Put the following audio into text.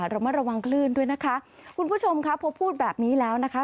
ระมัดระวังคลื่นด้วยนะคะคุณผู้ชมค่ะพอพูดแบบนี้แล้วนะคะ